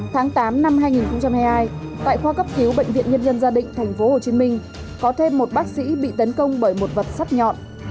tháng tám năm hai nghìn hai mươi hai tại khoa cấp cứu bệnh viện nhân dân gia định tp hcm có thêm một bác sĩ bị tấn công bởi một vật sắt nhọn